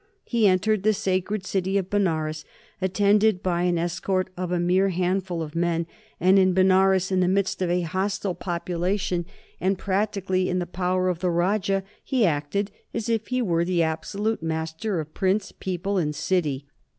He entered the sacred city of Benares attended by an escort of a mere handful of men, and in Benares, in the midst of a hostile population, and practically in the power of the Rajah, he acted as if he were the absolute master of prince, people, and city.